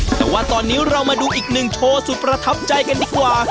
แต่ว่าตอนนี้เรามาดูอีกหนึ่งโชว์สุดประทับใจกันดีกว่า